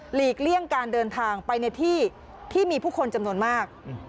ลีกเลี่ยงการเดินทางไปในที่ที่มีผู้คนจำนวนมาก